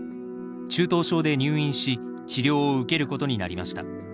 中等症で入院し治療を受けることになりました。